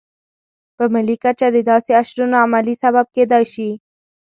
په ملي کچه د داسې اشرونو عملي سبب کېدای شي.